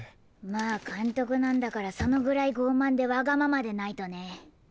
まあかんとくなんだからそのぐらいごうまんでわがままでないとね。